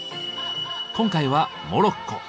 今回はモロッコ。